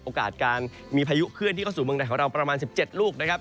การมีพายุเคลื่อนที่เข้าสู่เมืองใดของเราประมาณ๑๗ลูกนะครับ